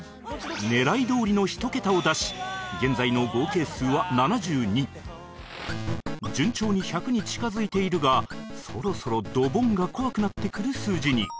狙いどおりの１桁を出し順調に１００に近付いているがそろそろドボンが怖くなってくる数字に